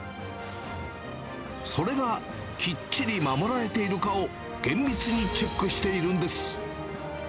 それがきっちり守られているかを、厳密にチェックしているんです。